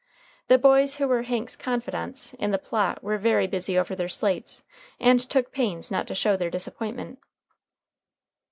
The boys who were Hank's confidants in the plot were very busy over their slates, and took pains not to show their disappointment.